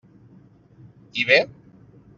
I bé?